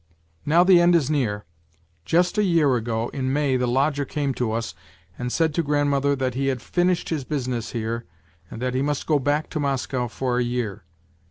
" Now the end is near. Just a year ago, in May, the lodger came to us and said to grandmother that he had finished his business here, and that he must go back to Moscow for a year.